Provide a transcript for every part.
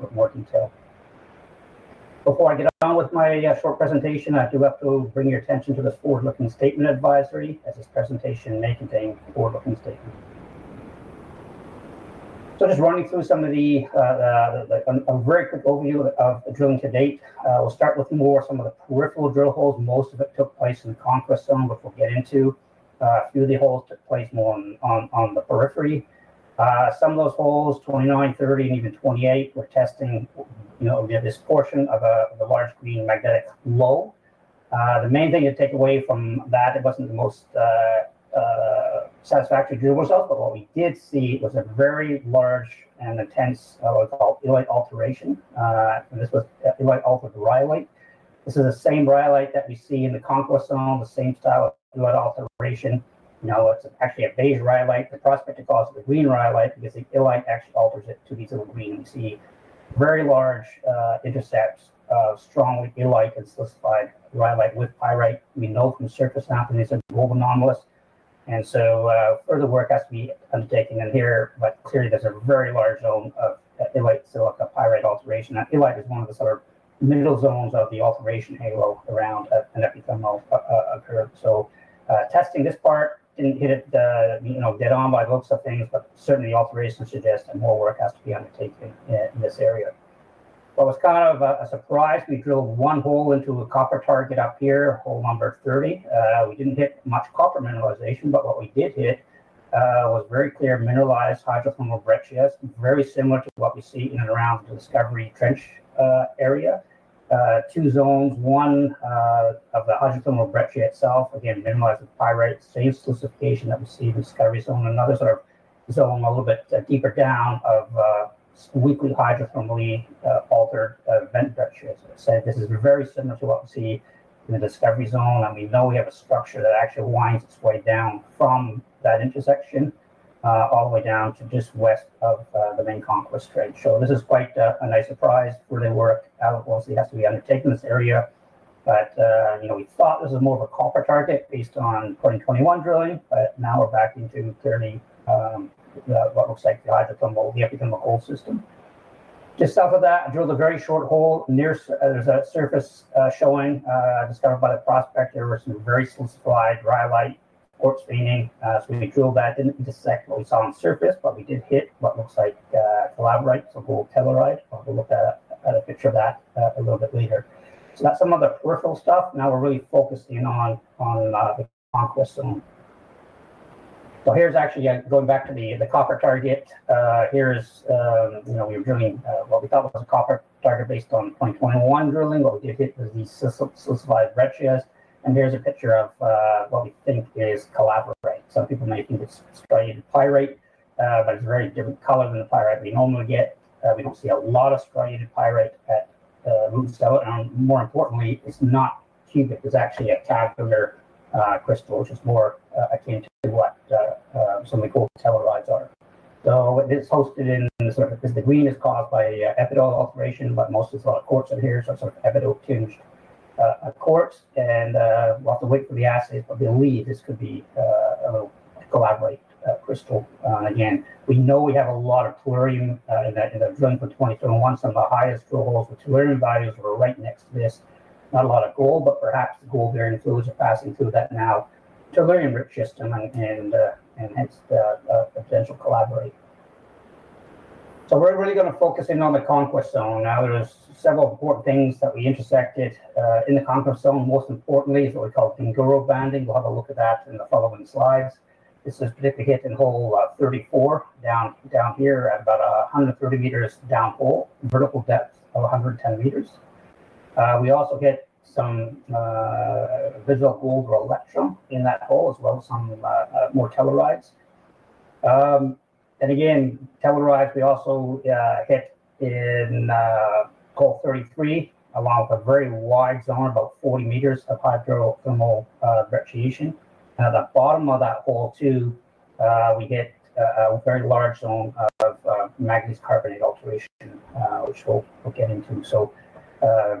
A little bit more detail. Before I get on with my short presentation, I do have to bring your attention to this forward-looking statement advisory, as this presentation may contain forward-looking statements. Just running through a very quick overview of the drilling to date, we'll start with more of some of the peripheral drill holes. Most of it took place in the Conquest Zone, which we'll get into. A few of the holes took place more on the periphery. Some of those holes, 29, 30, and even 28, were testing near this portion of a large medium magnetic low. The main thing to take away from that, it wasn't the most satisfactory drill result, but what we did see was a very large and intense white alteration. This was the white altered rhyolite. This is the same rhyolite that we see in the Conquest Zone, the same style of white alteration. Now it's actually a beige rhyolite. The prospector called it green rhyolite, and this illite actually alters it to these little green and tan. Very large intercepts, strongly illite and silicified rhyolite with pyrite. We know from surface sampling this is globally anomalous. Further work has to be undertaken. Here, clearly, there's a very large zone of illite-silica-pyrite alteration. Illite is one of the sort of middle zones of the alteration halo around an epithermal core. Testing this part indicated the, you know, dead-on by the looks of things, but certainly, the alteration suggests that more work has to be undertaken in this area. It was kind of a surprise. We drilled one hole into a copper target up here, hole number 30. We didn't hit much copper mineralization, but what we did hit was very clear mineralized hydrothermal breccias, very similar to what we see in and around the discovery trench area. Two zones: one of the hydrothermal breccia itself, again, mineralized with pyrite, same specification that we see in the discovery zone. Another sort of zone a little bit deeper down of weakly hydrothermally altered vent breccias. This is very similar to what we see in the discovery zone. We know we have a structure that actually winds its way down from that intersection all the way down to just west of the main Conquest trend. This is quite a nice surprise. Further work obviously has to be undertaken in this area. You know, we thought this was more of a copper target based on the 2021 drilling, but now we're back into clearly what looks like the hydrothermal. We have to drill the whole system. Just south of that, I drilled a very short hole near the surface showing, discovered by the prospector. There was some very specific rhyolite, quartz staining, so we need to drill that in and dissect what we saw on the surface, but we did hit what looks like flabrite, so-called pebblite. I'll have a look at a picture of that a little bit later. That's some of the peripheral stuff. Now we're really focusing in on the Conquest Zone. Here's actually going back to the copper target. Here is, you know, we were drilling what we thought was a copper target based on 2021 drilling. What we did hit was these specific breccias. Here's a picture of what we think is cobaltite. Some people may think it's sprayed pyrite, but it's a very different color than the pyrite we normally get. We don't see a lot of sprayed pyrite at Moon's Development. I think, more importantly, it's not cubic. It's actually a tabular crystal, which is more akin to what some of the gold tellurides are. This is hosted in the surface. The green is caused by an epidote alteration, but most of this quartz in here, so it's an epidote-tinged quartz. With the weight of the acid, I believe this could be a little cobaltite crystal. Again, we know we have a lot of tellurium in that drilling for 2021. Some of the highest global tellurium values were right next to this. Not a lot of gold, but perhaps the gold-bearing fluids are passing through that now tellurium-rich system and hence the potential cobaltite. We're really going to focus in on the Conquest Zone. There are several important things that we intersected in the Conquest Zone. Most importantly, it's what we call adularia banding. We'll have a look at that in the following slides. This is predicted to hit in hole 34 down here at about 130 m down hole, vertical depth of 110 m. We also hit some visible gold or electrum in that hole as well, some more tellurides. Tellurides also hit in hole 33 along with a very wide zone, about 40 m of hydrothermal brecciation. At the bottom of that hole too, we get a very large zone of manganese carbonate alteration, which we'll get into.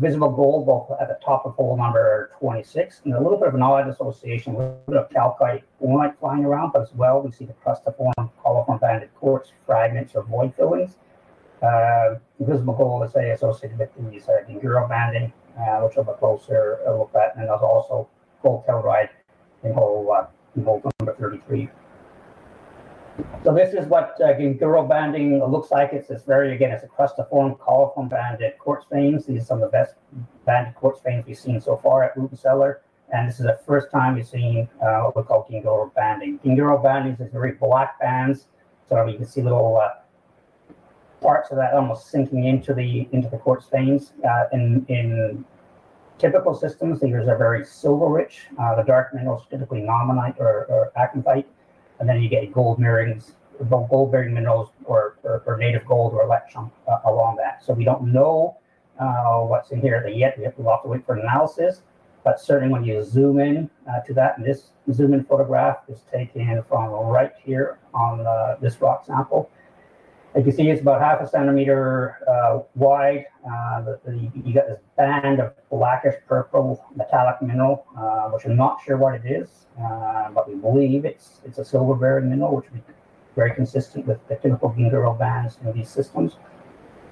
Visible gold at the top of hole number 26. A little bit of anomalous illustration with a little bit of calcite, ornite flying around, but as well, we see the crust of ornite, polyphasal banded quartz fragments or void fillings. Visible gold, as I say, associated with these adularia banding. I'll show up a closer look at another also gold telluride in hole number 33. This is what adularia banding looks like. It's very, again, it's a crust of ornite, polyphasal banded quartz veins. These are some of the best banded quartz veins we've seen so far at Northern Shield Resources Inc.'s development. This is the first time we've seen what we call adularia banding. Adularia banding is very flat bands. You can see little parts of that almost sinking into the quartz veins. In typical systems, these are very silver-rich. The dark angles are typically anomaly or acanthite. Then you get gold-bearing, gold bearing angles or native gold or electrum around that. We don't know what's in here yet. We have to walk away for analysis. Certainly, when you zoom in to that, and this zoom-in photograph is taken from right here on this rock sample. If you see, it's about half a centim wide. You've got this band of blackish-purple metallic mineral, which I'm not sure what it is, but we believe it's a silver-bearing mineral, which would be very consistent with the typical adularia bands in these systems.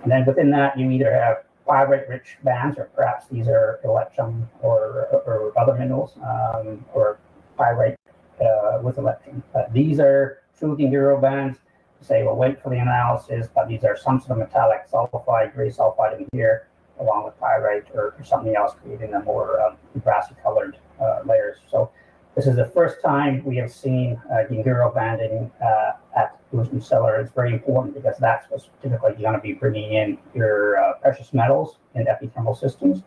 Within that, you either have fibrate-rich bands or perhaps these are electrum or other minerals or fibrate with electrum. These are two adularia bands. We'll wait for the analysis, but these are some sort of metallic sulfide, gray sulfide in here along with pyrite or something else creating a more brassy colored layers. This is the first time we have seen adularia banding at Northern Shield Resources Inc.'s development. It's very important because that's what typically you want to be bringing in your precious metals in epithermal systems.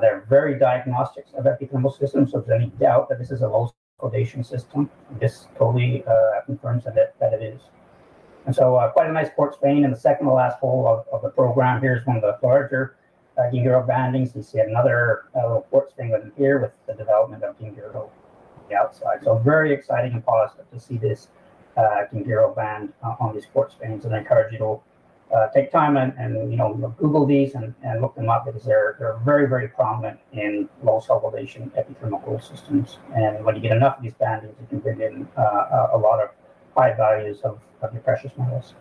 They're very diagnostic of epithermal systems. If there's any doubt that this is a low-sulfidation system, this totally confirms that it is. Quite a nice quartz vein in the second to last hole of the program. Here's one of the larger adularia bandings. You can see another quartz vein in here with the development of adularia on the outside. Very exciting and positive to see this adularia band on these quartz veins. I encourage you to take time and, you know, Google these and look them up because they're very, very prominent in low-sulfidation epithermal systems. When you get enough of these bands, you can begin getting a lot of high values of your precious metals.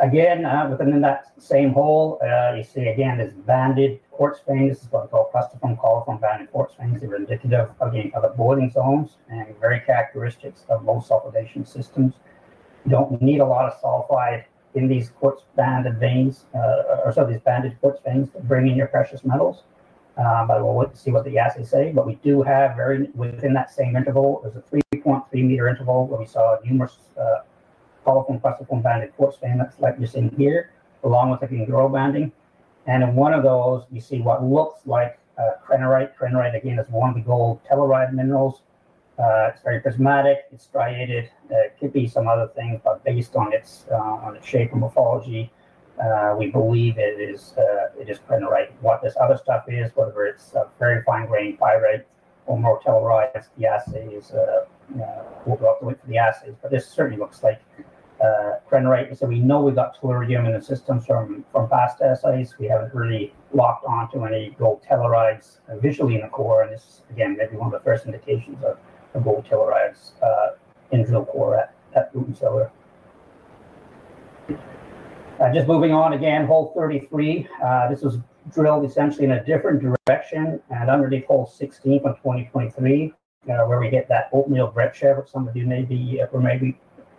Again, within that same hole, you see, again, this banded quartz vein. This is what I call crustiform polyphasal banded quartz veins. They're indicative of the boiling zones and very characteristic of low-sulfidation epithermal systems. You don't need a lot of sulfide in these quartz banded veins or some of these banded quartz veins to bring in your precious metals. We'll wait to see what the assay results say. We do have, within that same interval, there's a 3.3 m interval where we saw a hummus polyphasal crustiform banded quartz vein, like you're seeing here along with the adularia banding. In one of those, you see what looks like krennerite. Krennerite, again, is one of the gold telluride minerals. It's very prismatic. It's striated. There could be some other thing, but based on its shape and morphology, we believe it is krennerite. What this other stuff is, whether it's a very fine grain pyrite or more telluride, it's the assay results, the width of the assay results. This certainly looks like krennerite. We know we've got tellurium in the system. From past data studies, we haven't really locked onto any gold tellurides visually in the core. This, again, is one of the first indications of gold tellurides in the drill core at Root & Cellar Property. Moving on, hole 33 was drilled essentially in a different direction and underneath hole 16 for 2023 where we hit that hydrothermal breccia, which some of you maybe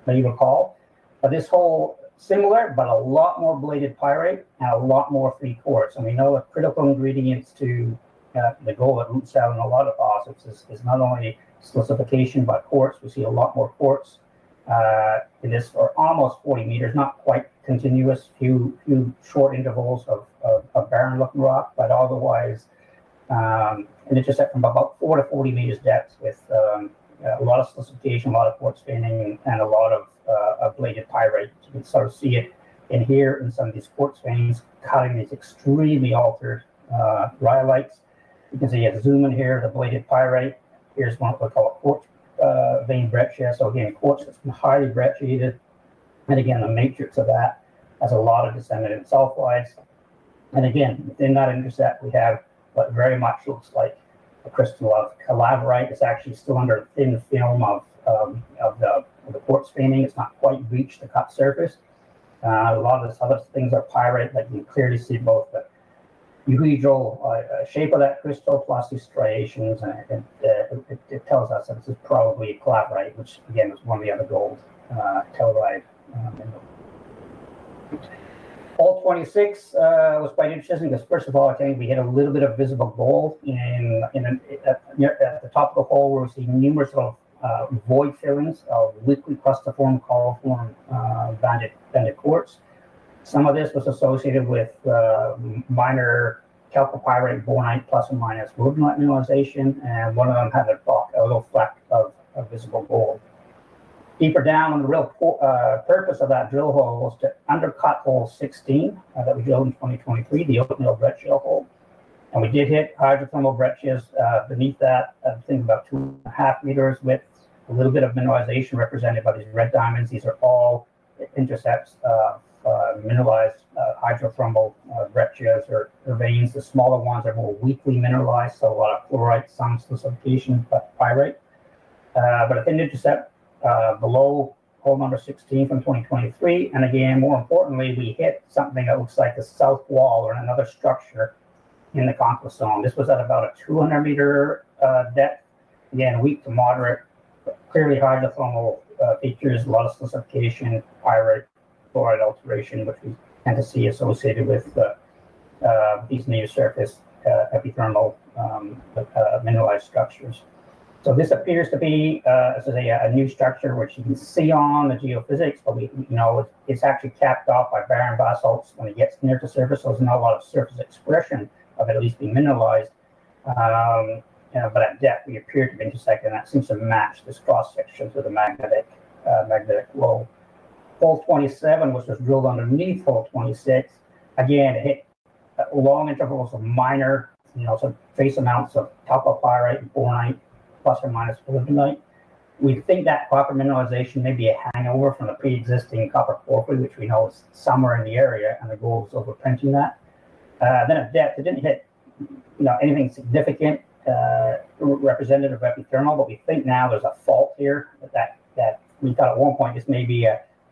recall. This hole is similar but has a lot more bladed pyrite and a lot more free quartz. We know the critical ingredients to the gold at Root & Cellar Property in a lot of facets is not only mineralization, but quartz. We see a lot more quartz in this for almost 40 m, not quite continuous, a few short intervals of barren looking rock, but otherwise, it just had from about 40 m depth with a lot of mineralization, a lot of quartz staining, and a lot of bladed pyrite. You can sort of see it in here in some of these quartz veins cutting these extremely altered rhyolites. You can see a zoom in here of the bladed pyrite. Here's one of the colored quartz vein breccias. Quartz is highly brecciated, and a matrix of that has a lot of disseminated sulfides. In that intercept, we have what very much looks like a crystal of cobaltite. It's actually still under a thin film of the quartz staining. It's not quite reached the cut surface. A lot of those other things are pyrite, but we clearly see both the euhedral shape of that crystal, lots of striations. I think it tells us that this is probably a cobaltite, which again is one of the other gold telluride minerals. Hole 26 was quite interesting because, first of all, I think we get a little bit of visible gold in the top of the hole where we see numerous void fillings of liquid crust of ornate, polyphasal banded quartz. Some of this was associated with the minor chalcopyrite, bornite, plus or minus alunite mineralization. One of them had a little fleck of visible gold. Deeper down on the real surface of that drill hole was to undercut hole 16 that we drilled in 2023, the oatmeal breccia hole. We did hit hydrothermal breccias beneath that, I think about 2.5 m width, a little bit of mineralization represented by these red diamonds. These are all intercepts of mineralized hydrothermal breccias or veins. The smaller ones are more weakly mineralized, so we'll write some specification about pyrite. At the intercept below hole number 16 from 2023, and again, more importantly, we hit something that looks like the south wall or another structure in the Conquest Zone. This was at about a 200-m depth. Again, weak to moderate, but clearly hydrothermal features, a lot of specification, pyrite, chlorite alteration, which we tend to see associated with these near-surface epithermal mineralized structures. This appears to be a new structure which you can see on the geophysics, but we know it's actually capped off by barren basalts when it gets near the surface. There's not a lot of surface expression of at least being mineralized. We appear to be intersecting that. It seems to mask this cross-section through the magnetic wall. Hole 27 was just drilled underneath hole 26. Again, it hit long intervals of minor, you know, so trace amounts of chalcopyrite and bornite, plus or minus alunite. We think that copper mineralization may be a hangover from the pre-existing copper porphyry, which we know is somewhere in the area, and the gold is overprinting that. At depth, it didn't hit anything significant representative of epithermal, but we think now there's a fault here that we thought at one point may be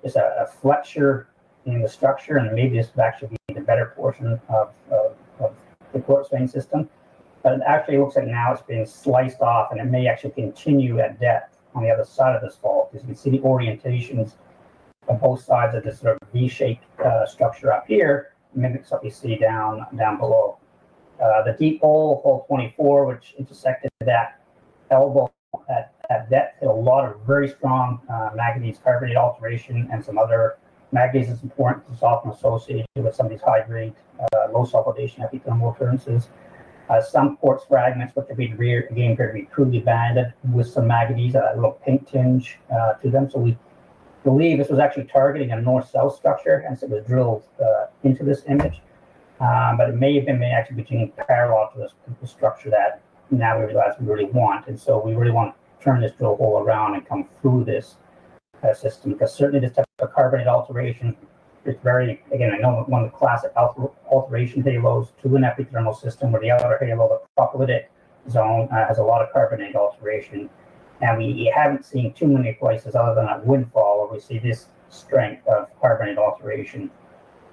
just a flexure in the structure and maybe this would actually be the better portion of the quartz vein system. It actually looks like now it's being sliced off and it may actually continue at depth on the other side of this fault. As you can see, the orientations of both sides of this sort of V-shaped structure up here mimic what you see down below. The deep hole, hole 24, which intersected that elbow at depth, had a lot of very strong manganese carbonate alteration and some other manganese is important for the softening associated with some of these high-grade, low-sulfidation epithermal occurrences. Some quartz fragments, but they again appear to be truly banded with some manganese, a little pink tinge to them. We believe this was actually targeting a north cell structure and it was drilled into this image. It may have been actually between parallel to this structure that now we realize we really want. We really want to turn this drill hole around and come through this as a system because certainly the carbonate alteration is very, again, I know one of the classic alteration halos to an epithermal system or the other halo of the prolific zone has a lot of carbonate alteration. We haven't seen too many places other than at Woodfall where we see this strength of carbonate alteration.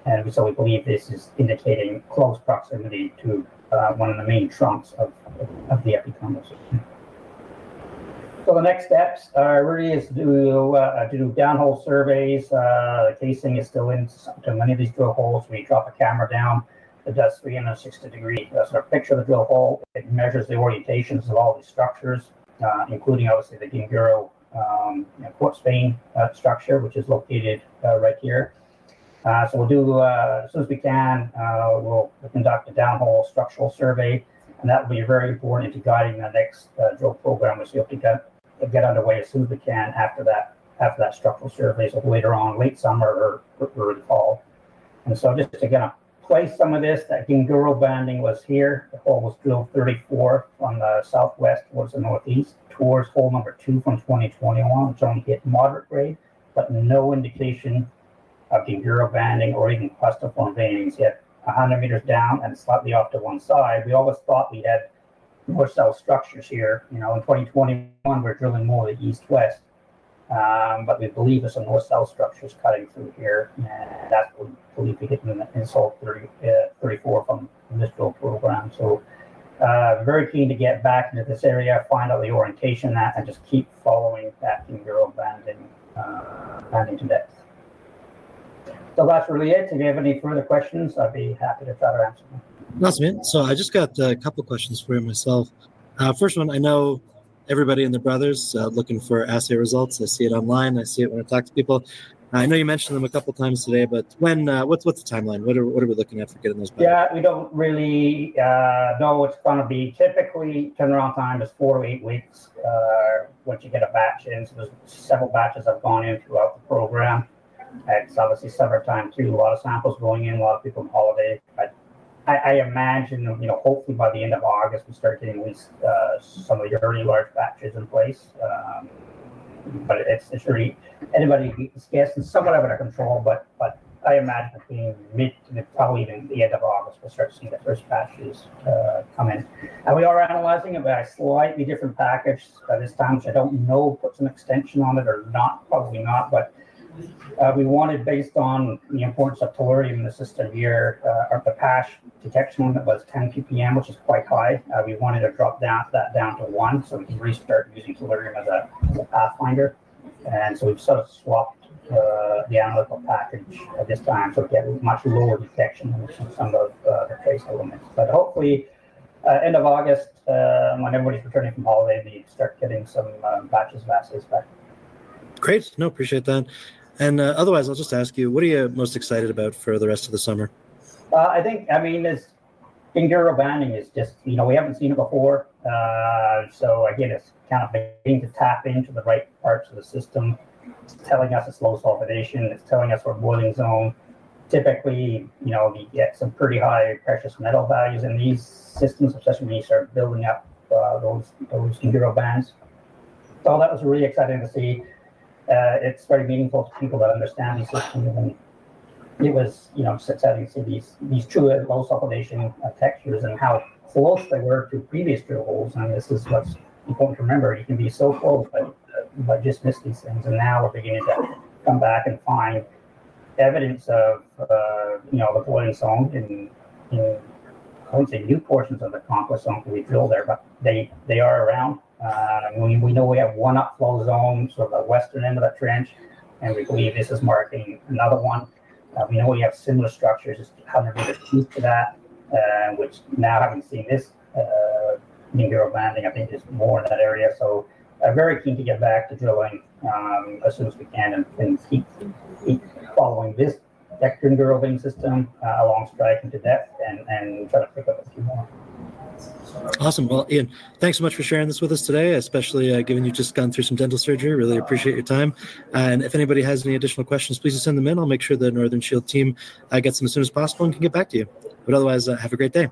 We believe this is indicating close proximity to one of the main chunks of the epithermal system. The next steps are really to do downhole structural surveys. The casing is still in many of these drill holes. We drop a camera down that does 360-degree pictures of the drill hole. It measures the orientations of all the structures, including obviously the adularia quartz vein structure, which is located right here. As soon as we can, we'll conduct a downhole structural survey. That will be very important to guide in our next drill program, which we hope to get underway as soon as we can after that structural survey, later on late summer or early fall. Just to kind of place some of this, that adularia banding was here. The hole was drilled 34 from the southwest towards the northeast towards hole number two from 2021. I'm trying to get moderate grade, but no indication of adularia banding or even crustiform ornate veins yet. 100 m down and slightly off to one side. We always thought we had north-south structures here. You know, in 2021, we're drilling more of the east-west, but we believe there's some north-south structures cutting through here. That's what we believe we hit in this hole 34 from this drill program. I'm very keen to get back into this area, find out the orientation of that, and just keep following that adularia banding to depth. That's really it. If you have any further questions, I'd be happy to answer. Nice man. I just got a couple of questions for you myself. First one, I know everybody and their brother is looking for assay results. I see it online. I see it when I talk to people. I know you mentioned them a couple of times today, but what's the timeline? What are we looking at for getting those? Yeah, we don't really know what's going to be. Typically, turnaround time is four to eight weeks, which you get a batch in. There are several batches that have gone in throughout the program. It's obviously summertime too, a lot of samples going in, a lot of people on holiday. I imagine, you know, hopefully by the end of August, we'll start getting at least some of your very large batches in place. It's really anybody's guess and somewhat of it under control, but I imagine between mid to probably the end of August, we'll start to see the first batches come in. We are analyzing it by a slightly different analytical package this time, so I don't know if it's an extension on it or not, probably not. We wanted, based on the importance of chloride in the system here, the patch detection was 10 ppm, which is quite high. We wanted to drop that down to one, so it's really starting to work as a pathfinder. We've sort of swapped the analytical package at this time for getting much lower detection on some of the trace elements. Hopefully, at the end of August, when everybody's returning from holiday, we start getting some batches of assay results back. Great. I appreciate that. Otherwise, I'll just ask you, what are you most excited about for the rest of the summer? I think, I mean, this adularia banding is just, you know, we haven't seen it before. Again, it's kind of being tapped into the right parts of the system. It's telling us it's low-sulfidation. It's telling us we're in a boiling zone. Typically, you know, we get some pretty high precious metal values in these systems, especially when you start building up those adularia bands. All that was really exciting to see. It's very meaningful to people that understand these systems. It was, you know, just exciting to see these truly low-sulfidation textures and how close they were to previous drill holes. This is what's important to remember. You can be so close but just miss these things. Now we're beginning to come back and find evidence of, you know, the boiling zone in haunting new portions of the Conquest Zone to be filled there. They are around. We know we have one off-flow zone sort of the western end of that trench. We believe this is marking another one. We know we have similar structures 100 m deep to that. We now haven't seen this adularia banding. I think it's more in that area. I'm very keen to get back to drilling as soon as we can and keep following this adularia vein system alongside into that. Awesome. Ian, thanks so much for sharing this with us today, especially given you've just gone through some dental surgery. I really appreciate your time. If anybody has any additional questions, please just send them in. I'll make sure the Northern Shield team gets them as soon as possible and can get back to you. Otherwise, have a great day.